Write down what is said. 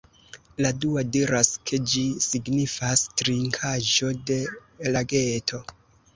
La dua diras ke ĝi signifas "trinkaĵo de lageto".